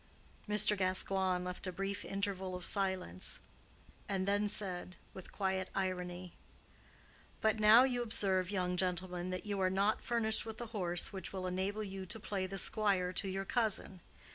Mr. Gascoigne left a brief interval of silence, and then said, with quiet irony,—"But now you observe, young gentleman, that you are not furnished with a horse which will enable you to play the squire to your cousin.